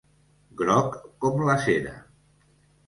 Groc com la cera.